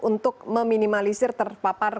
untuk meminimalisir terpapar